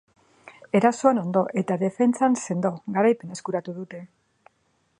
Erasoan ondo eta defentsan sendo, garaipena eskuratu dute.